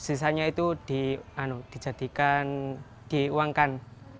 sisanya itu di uangkan